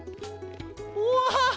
うわ！